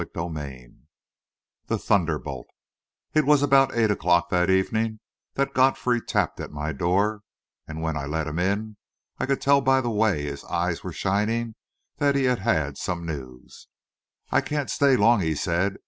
CHAPTER IV THE THUNDERBOLT It was about eight o'clock that evening that Godfrey tapped at my door, and when I let him in, I could tell by the way his eyes were shining that he had some news. "I can't stay long," he said.